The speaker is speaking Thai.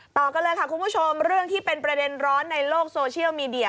ต่อกันเลยค่ะคุณผู้ชมเรื่องที่เป็นประเด็นร้อนในโลกโซเชียลมีเดีย